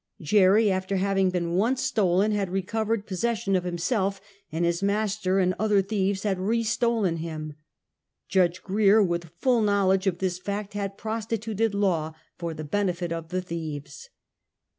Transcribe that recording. Jerry, after hav ing been once stolen, had recovered possession of him self, and his master and other thieves had re stolen him! Judge Grier, with full knowledge of this fact, had prostituted law for the benefit of the thieves.